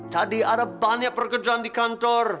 tadi ada banyak pekerjaan di kantor